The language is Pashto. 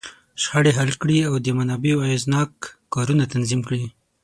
شخړې حل کړي، او د منابعو اغېزناک کارونه تنظیم کړي.